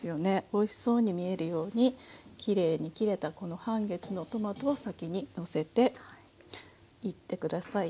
おいしそうに見えるようにきれいに切れたこの半月のトマトは先にのせていって下さい。